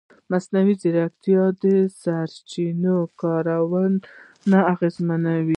مصنوعي ځیرکتیا د سرچینو کارونه اغېزمنوي.